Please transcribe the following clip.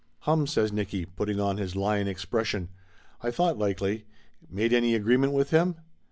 "Hum !" says Nicky, putting on his lion expression. "I thought likely. Made any agreement with him?"